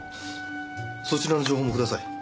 そちらの情報もください。